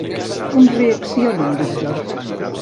Com reacciona en Víctor?